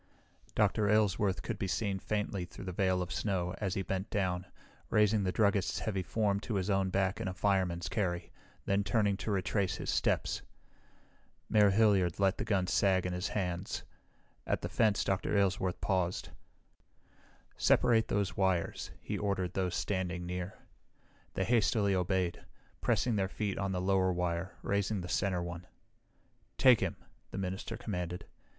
Dr. Aylesworth could be seen faintly through the veil of snow as he bent down, raising the druggist's heavy form to his own back in a fireman's carry, then turning to retrace his steps. Mayor Hilliard let the gun sag in his hands. At the fence Dr. Aylesworth paused. "Separate those wires," he ordered those standing near. They hastily obeyed, pressing their feet on the lower wire, raising the center one. "Take him!" the minister commanded.